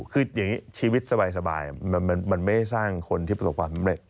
คืออย่างนี้ชีวิตสบายมันไม่ได้สร้างคนที่ประสบความสำเร็จ